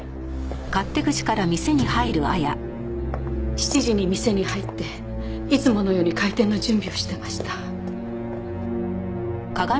７時に店に入っていつものように開店の準備をしてました。